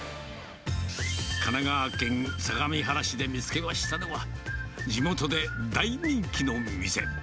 神奈川県相模原市で見つけましたのは、地元で大人気の店。